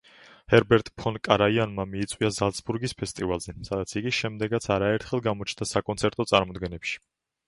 ჰერბერტ ფონ კარაიანმა მიიწვია ზალცბურგის ფესტივალზე, სადაც იგი შემდეგაც არაერთხელ გამოჩნდა საკონცერტო წარმოდგენებში.